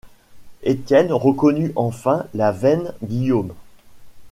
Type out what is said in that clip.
Étienne reconnut enfin la veine Guillaume.